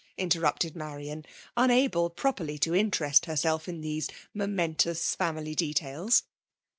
interrupted Marian, unable properly to interest herself in these momentous family details.